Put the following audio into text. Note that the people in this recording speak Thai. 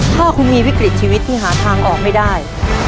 ถ้าคุณมีวิกฤตชีวิตที่หาทางออกไม่ได้